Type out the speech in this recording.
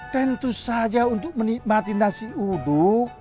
tentu saja untuk menikmati nasi uduk